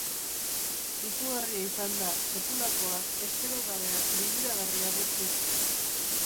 Izugarria izan da, sekulakoa, espero gabea, liluragarria guztiz.